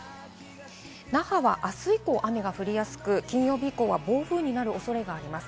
那覇は、あす以降、雨が降りやすく、金曜日以降は暴風になる恐れがあります。